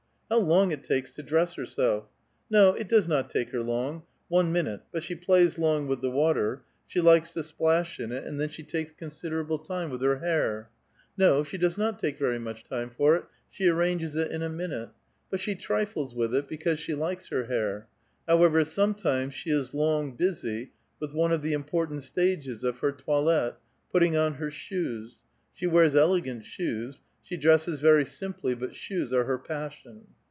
How long it t;akes to dress herself ! No, it does not take her long, — one minute ; but she plays long with the water ; she likes to splash 186 A VITAL QUESTION. in it, and then she takes considerable time with her hair. No, she does not take very much time for it ; she arranges it in a minute ; but she trides with it, because she likes her hair ; however, sometimes she is long busy with one of the inii>ortant sUiges of her toilet, putting on her shoes ; she wears elegant shoes ; she dresses very simply, but shoes are her passion.